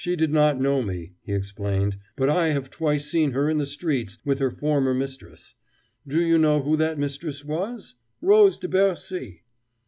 "She did not know me," he explained, "but I have twice seen her in the streets with her former mistress. Do you know who that mistress was? Rose de Bercy!"